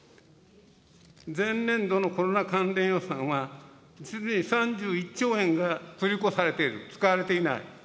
前年度のコロナ関連予算は、実に３１兆円が繰り越されている、使われていない。